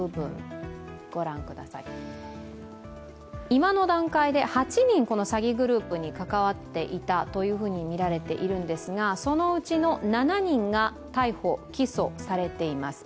今の段階で８人、詐欺グループに関わっていたとみられているんですが、そのうちの７人が逮捕・起訴されています。